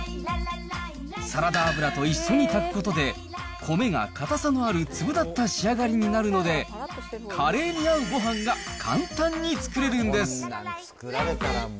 サラダ油と一緒に炊くことで、米が硬さのある粒立った仕上がりになるので、カレーに合うごはんが簡単に作れるんです。